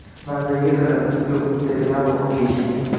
Manziliga qaradi: yoʻq, telegramma unga ekan.